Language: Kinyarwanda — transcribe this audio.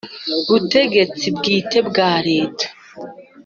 butegetsi bwite bwa Leta